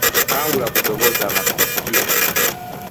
Kangula ku ddoboozi abantu bakutye.